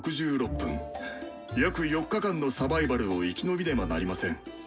約４日間のサバイバルを生き延びねばなりません。